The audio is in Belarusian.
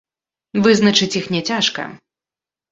Вызначыць іх не цяжка.